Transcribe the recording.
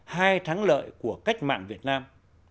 hai thắng lợi của cách mạng việt nam